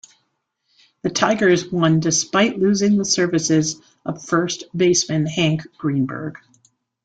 The Tigers won despite losing the services of first baseman Hank Greenberg.